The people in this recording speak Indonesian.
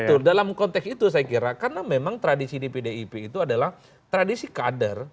betul dalam konteks itu saya kira karena memang tradisi di pdip itu adalah tradisi kader